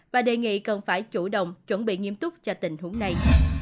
và đề nghị cần phải chủ động chuẩn bị nghiêm túc cho tình huống này